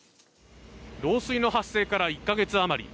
漏水の発生から１か月余り。